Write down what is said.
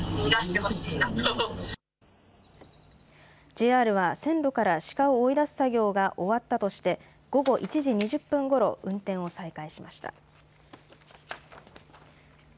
ＪＲは線路からシカを追い出す作業が終わったとして午後１時２０分ごろ運転を再開しました。